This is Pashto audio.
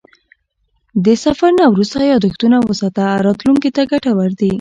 د سفر نه وروسته یادښتونه وساته، راتلونکي ته ګټور دي.